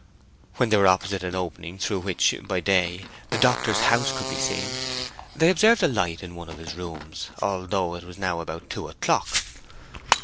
When they were opposite an opening through which, by day, the doctor's house could be seen, they observed a light in one of his rooms, although it was now about two o'clock.